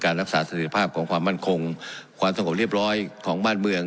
รักษาเสร็จภาพของความมั่นคงความสงบเรียบร้อยของบ้านเมือง